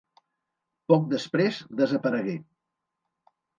Poc després desaparegué.